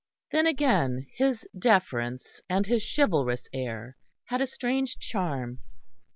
Then again his deference and his chivalrous air had a strange charm.